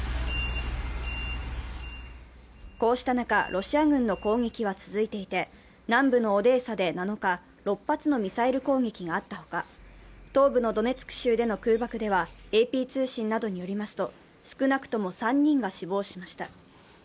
こうした中、ロシア軍の攻撃は続いていて、南部のオデーサで７日、６発のミサイル攻撃があったほか、東部のドネツク州での空爆ではＡＰ通信などによりますと、少なくとも３人が死亡しました。